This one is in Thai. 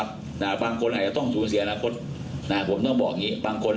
บางคนอาจจะต้องสูญเสียอนาคตก็เป็นผมต้องบอกอย่างนี้